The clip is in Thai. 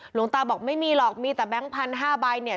หลวงตาบอกไม่มีหรอกมีแต่แบงค์พันห้าใบเนี่ย